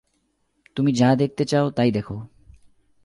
তুমি যা দেখতে চাও তাই দেখো।